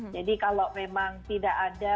jadi kalau memang tidak ada